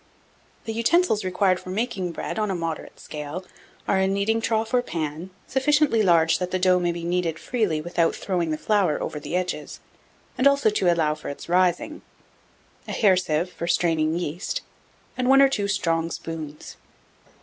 1700. The utensils required for making bread, on a moderate scale, are a kneading trough or pan, sufficiently large that the dough may be kneaded freely without throwing the flour over the edges, and also to allow for its rising; a hair sieve for straining yeast, and one or two strong spoons.